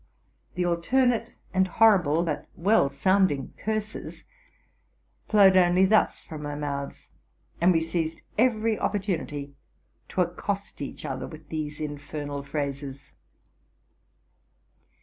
The alternate and horrible but well sounding curses flowed only thus from our mouths, and we seized every opportunity to accost each other with these infernal phrases.